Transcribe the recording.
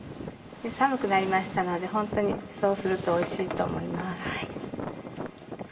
寒くなりましたのでホントにそうするとおいしいと思います。